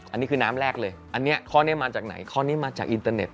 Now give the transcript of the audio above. อันนี้คือน้ำแรกเลยอันนี้ข้อนี้มาจากไหนข้อนี้มาจากอินเตอร์เน็ต